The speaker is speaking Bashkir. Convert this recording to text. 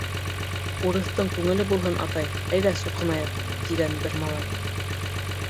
«Урыҫтың күңеле булһын, атай, әйҙә суҡынайыҡ», тигән бер малай.